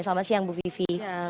selamat siang bu vivi